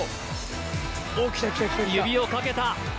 指をかけた！